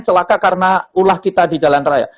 celaka karena ulah kita di jalan raya